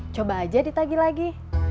coba aja ditagi lagi